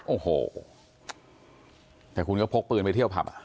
โอ้โหแต่คุณก็พกปืนไปเที่ยวผับอ่ะ